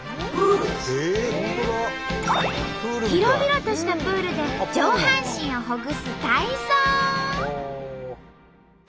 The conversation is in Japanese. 広々としたプールで上半身をほぐす体操！